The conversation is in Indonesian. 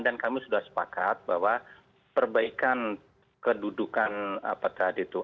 dan kami sudah sepakat bahwa perbaikan kedudukan apatahad itu